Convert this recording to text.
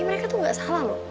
mereka tuh gak salah loh